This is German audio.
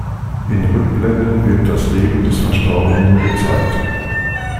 In Rückblenden wird das Leben des Verstorbenen gezeigt.